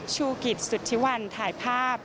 โชคริทสุธิวัลถ่ายภาพ